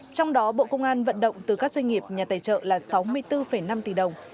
trong đó bộ công an vận động từ các doanh nghiệp nhà tài trợ là sáu mươi bốn năm tỷ đồng